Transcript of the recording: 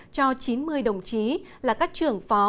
cho chín mươi đồng chí là các trưởng phó